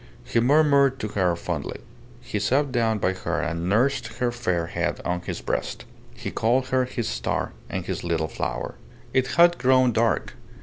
He murmured to her fondly. He sat down by her and nursed her fair head on his breast. He called her his star and his little flower. It had grown dark.